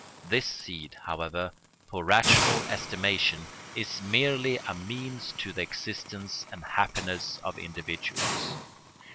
This seed, however, for rational estimation, is merely a means to the existence and happiness of individuals.